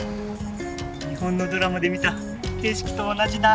日本のドラマで見た景色と同じだ！